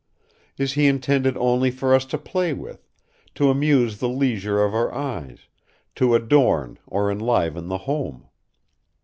Is he intended only for us to play with, to amuse the leisure of our eyes, to adorn or enliven the home?